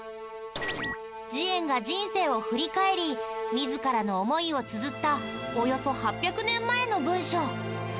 慈円が人生を振り返り自らの思いをつづったおよそ８００年前の文書。